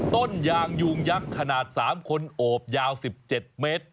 ต้นยางยูงยักษ์ขนาด๓คนโอบยาว๑๗เมตร